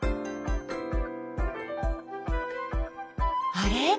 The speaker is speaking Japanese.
あれ？